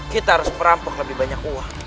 kita harus merampok lebih banyak uang